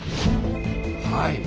はい。